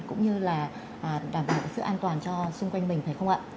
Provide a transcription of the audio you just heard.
cũng như là đảm bảo sự an toàn cho xung quanh mình phải không ạ